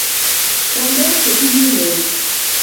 ram beek che tililen